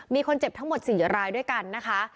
มีคนเจ็บทั้งหมด๔รายด้วยกันนะคะ